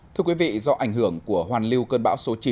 thưa quý vị do ảnh hưởng của hoàn lưu cơn bão số chín